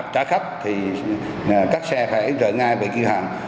trả khách thì các xe phải rời ngay về cửa hàng